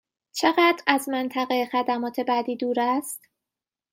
چقدر از منطقه خدمات بعدی دور است؟